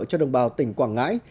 cho đồng bào tỉnh quảng ngãi